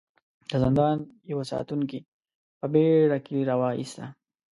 د زندان يوه ساتونکي په بېړه کيلې را وايسته.